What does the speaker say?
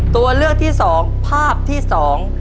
ตัวเลือกที่สองภาพที่สอง